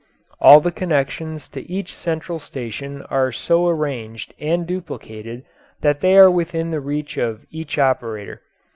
All the connections to each central station are so arranged and duplicated that they are within the reach of each operator.